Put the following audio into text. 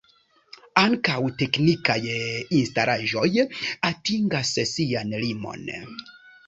Ankaŭ teknikaj instalaĵoj atingas sian limon.